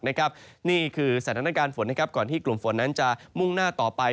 นี่คือสถานการณ์ฝนก่อนที่กลุ่มฝนนั้นจะมุ่งหน้าต่อไป